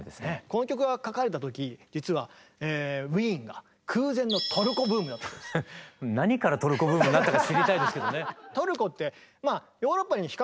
この曲は書かれた時実はウィーンが空前の何からトルコブームになったか知りたいですけどね。